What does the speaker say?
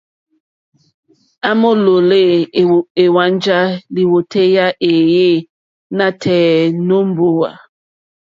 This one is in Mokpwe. À mòlólɛ́ èwàŋgá lìwòtéyá éèyé nǎtɛ̀ɛ̀ nǒ mbówà.